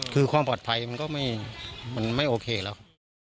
คือความปลอดภัยมันก็มันไม่โอเคแล้ว